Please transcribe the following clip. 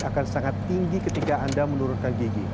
akan sangat tinggi ketika anda menurunkan gigi